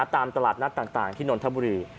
ตามตลาดนัดต่างที่นนทบุรี